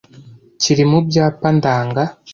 kiri mubyapa ndanga